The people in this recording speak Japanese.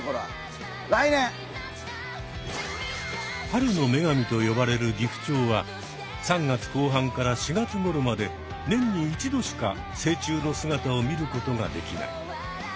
春の女神と呼ばれるギフチョウは３月後半から４月ごろまで年に一度しか成虫の姿を見ることができない。